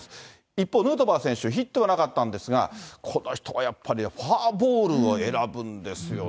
一方、ヌートバー選手、ヒットはなかったんですが、この人はやっぱり、フォアボールを選ぶんですよね。